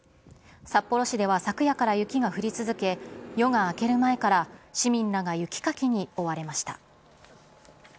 札幌市では昨夜から雪が降り続け、夜が明ける前から市民らが雪かきに追われました。